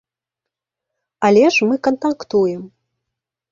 Але ж мы кантактуем.